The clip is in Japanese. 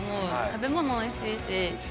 食べ物おいしいし。